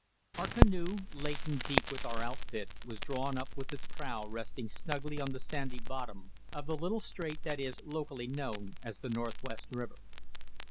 Our canoe, laden deep with our outfit, was drawn up with its prow resting snugly on the sandy bottom of the little strait that is locally known as the Northwest River.